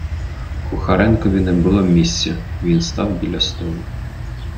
Кухаренкові не було місця, він став біля столу.